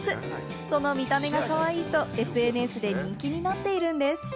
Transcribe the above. その見た目がかわいいとＳＮＳで人気になっているんです。